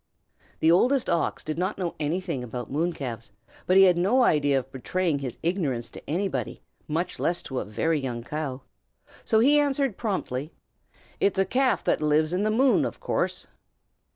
The Oldest Ox did not know anything about moon calves, but he had no idea of betraying his ignorance to anybody, much less to a very young cow; so he answered promptly, "It's a calf that lives in the moon, of course."